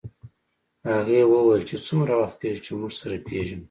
هغې وویل چې څومره وخت کېږي چې موږ سره پېژنو